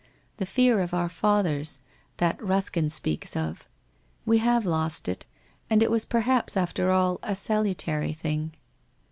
The Fear of our Fathers, that Ruskin speaks of— we have lost it, and it was perhaps after all a salutary thing